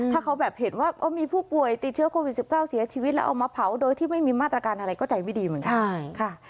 ถ้าเขาแบบเห็นว่ามีผู้ป่วยติดเชื้อโควิด๑๙เสียชีวิตแล้วเอามาเผาโดยที่ไม่มีมาตรการอะไรก็ใจไม่ดีเหมือนกัน